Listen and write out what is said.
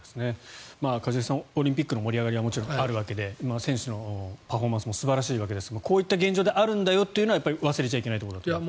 一茂さん、オリンピックの盛り上がりはもちろんあるわけで選手のパフォーマンスも素晴らしいですがこういった状況であるということを忘れちゃいけないところだと思います。